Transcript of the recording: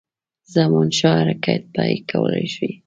زمانشاه حرکت پیل کولای شوای.